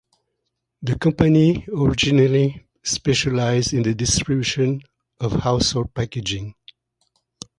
The company originally specialised in the distribution of household packaging.